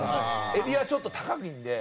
エビはちょっと高いんで。